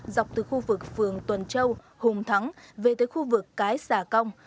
dọc từ khu vực phường tuần châu hùng thắng về tới khu vực cái xà cong